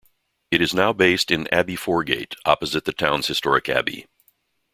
It is now based in Abbey Foregate, opposite the town's historic Abbey.